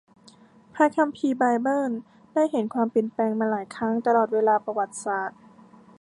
พระคัมภีร์ไบเบิลได้เห็นความเปลี่ยนแปลงมาหลายครั้งตลอดเวลาประวัติศาสตร์